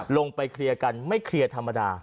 ลงไปเคลียร์กันไม่เคลียร์ธรรมดา